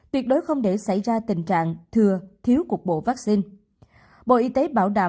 tuyệt đối không để xảy ra tình trạng thừa thiếu cuộc bộ vaccine